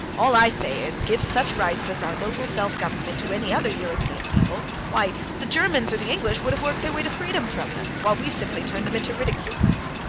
All I say is, give such rights as our local self government to any other European people—why, the Germans or the English would have worked their way to freedom from them, while we simply turn them into ridicule."